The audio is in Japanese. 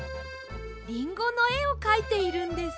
リンゴのえをかいているんです。